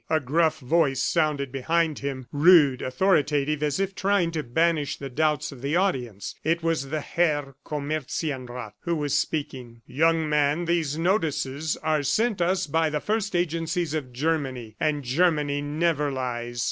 A gruff voice sounded behind him, rude, authoritative, as if trying to banish the doubts of the audience. It was the Herr Comerzienrath who was speaking. "Young man, these notices are sent us by the first agencies of Germany ... and Germany never lies."